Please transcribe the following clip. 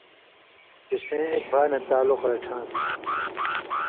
چے سَیں اېک بھا نہ تعلق رڇھان٘س۔